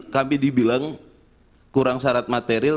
kami dibilang kurang syarat material